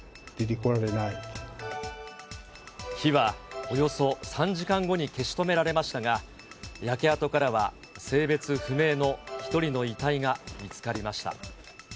火はおよそ３時間後に消し止められましたが、焼け跡からは、性別不明の１人の遺体が見つかりました。